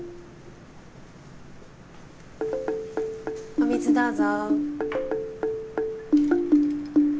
お水どうぞ。